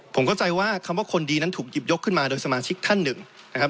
ผมเข้าใจว่าคำว่าคนดีนั้นถูกหยิบยกขึ้นมาโดยสมาชิกท่านหนึ่งนะครับ